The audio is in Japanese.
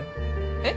えっ？